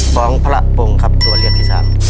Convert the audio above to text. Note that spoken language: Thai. พรองพระปงครับตัวเลียทที่๓